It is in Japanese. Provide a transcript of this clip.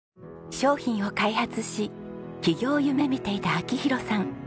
商品を開発し起業を夢見ていた明宏さん。